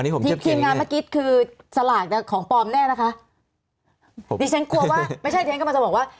ทีมทีมงานเมื่อกี้คือสลากเนี่ยของปลอมแน่นะคะดิฉันกลัวว่าไม่ใช่ที่ฉันกำลังจะบอกว่า